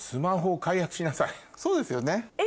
そうですよね。